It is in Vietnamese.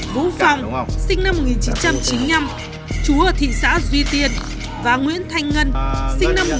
vũ phòng sinh năm một nghìn chín trăm chín mươi năm chú ở thị xã duy tiền và nguyễn thanh ngân sinh năm một nghìn chín trăm chín mươi